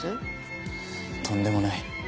とんでもない。